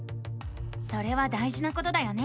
それは大じなことだよね。